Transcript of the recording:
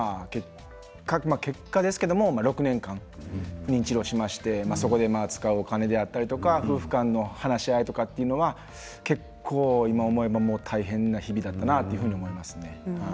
結果ですけれども６年間治療しましてそこで使うお金であったり夫婦間の話し合いというのは結構、今思えば大変な日々だったなと思いますね。